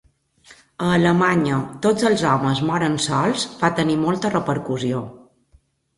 A Alemanya, "Tots els homes moren sols" va tenir molta repercussió.